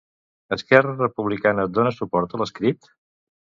Esquerra Republicana dona suport a l'escrit?